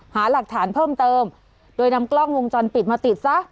หาหลักฐานเพิ่มเติมโดยนำกล้องวงจรปิดมาติดซะ